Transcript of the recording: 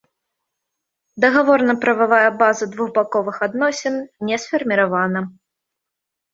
Дагаворна-прававая база двухбаковых адносін не сфарміравана.